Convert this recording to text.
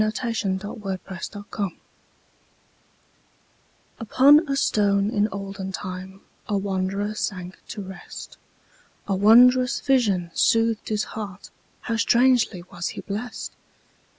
Isaacs Pillow and Stone UPON a stone in olden timeA wanderer sank to rest.A wondrous vision soothed his heartHow strangely was he blessed!